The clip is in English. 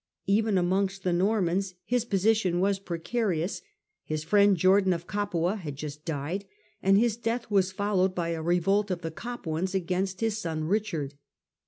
Even amongst the Normans his position was precarious : his friend Jordan of Capua had just died, and his death was followed by a revolt of the Capuans against his son Richard.